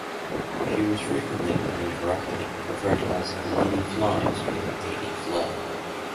She was frequently, but incorrectly, referred to as "Lady Florence" or "Lady Flo".